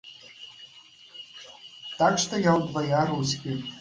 Так што я ўдвая рускі.